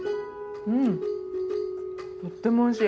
うんとってもおいしい。